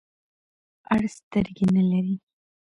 اړ سترګي نلری .